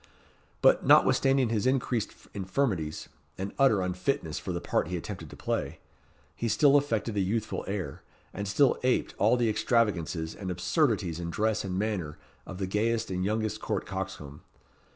But, notwithstanding his increased infirmities, and utter unfitness for the part he attempted to play, he still affected a youthful air, and still aped all the extravagances and absurdities in dress and manner of the gayest and youngest court coxcomb.